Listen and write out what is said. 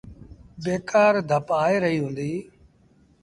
بيڪآر ڌپ آئي رهيٚ هُݩديٚ۔